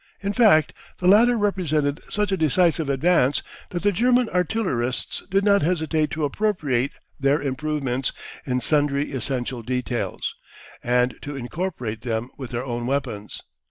In fact, the latter represented such a decisive advance that the German artillerists did not hesitate to appropriate their improvements in sundry essential details, and to incorporate them with their own weapons.